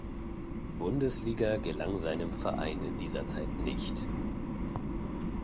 Bundesliga gelang seinem Verein in dieser Zeit nicht.